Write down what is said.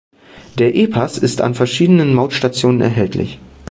Der e-Pass ist an verschiedenen Mautstationen erhältlich.